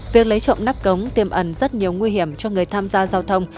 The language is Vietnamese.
việc lấy trộm nắp cống tiêm ẩn rất nhiều nguy hiểm cho người tham gia giao thông